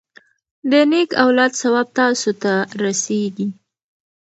د نیک اولاد ثواب تاسو ته رسیږي.